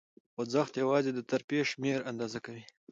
خوځښت یواځې د ترفیع شمېر آندازه کوي.